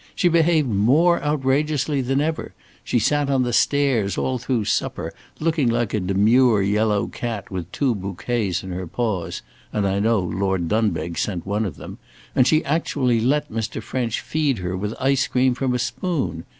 She behaved more outrageously than ever. She sat on the stairs all through supper, looking like a demure yellow cat with two bouquets in her paws and I know Lord Dunbeg sent one of them; and she actually let Mr. French feed her with ice cream from a spoon.